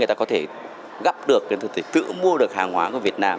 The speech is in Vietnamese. để gặp được để tự mua được hàng hóa của việt nam